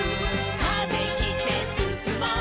「風切ってすすもう」